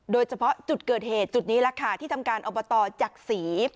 โดยเฉพาะจุดเกิดเหตุจุดนี้แหละค่ะที่ทำการอบตจักษี